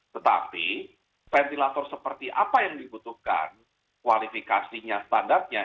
tetapi ventilator seperti apa yang dibutuhkan kualifikasinya standarnya